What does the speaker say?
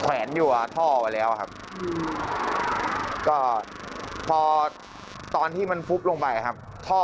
แขวนอยู่กับท่อไว้แล้วครับก็พอตอนที่มันฟุบลงไปครับท่อ